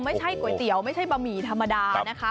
ไม่ใช่ก๋วยเตี๋ยวไม่ใช่บะหมี่ธรรมดานะคะ